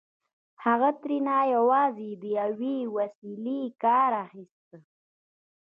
هغه ترې يوازې د يوې وسيلې کار اخيست.